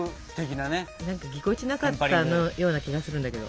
なんかぎこちなかったような気がするんだけど。